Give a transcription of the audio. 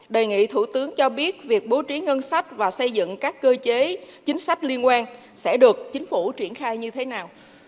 đề nghị thủ tướng cho biết việc bố trí ngân sách và xây dựng các cơ chế chính sách liên quan sẽ được chính phủ triển khai như thế nào